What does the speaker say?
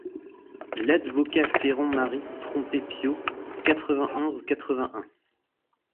L’advocat Féron mary trompé Piaud quatre-vingt-onze quatre-vingt-un.